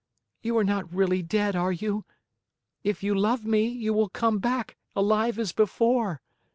You are not really dead, are you? If you love me, you will come back, alive as before.